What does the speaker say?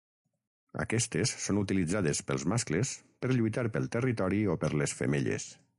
Aquestes són utilitzades pels mascles per lluitar pel territori o per les femelles.